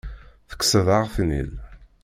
Tekkseḍ-aɣ-ten-id.